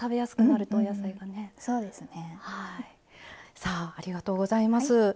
さあありがとうございます。